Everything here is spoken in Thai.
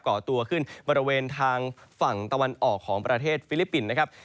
ก่อตัวขึ้นบริเวณทางฝั่งตะวันออกของประเทศฟิลิปปินส์นะครับ